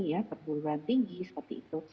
ya perguruan tinggi seperti itu